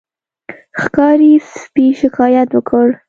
ښکاري سپي شکایت وکړ.